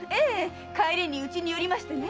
帰りにうちに寄りましてね。